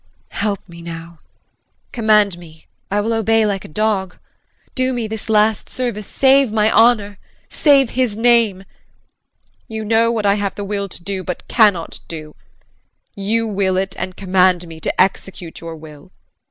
Help me now. Command me I will obey like a dog. Do me this last service save my honor. Save his name. You know what I have the will to do but cannot do. You will it and command me to execute your will.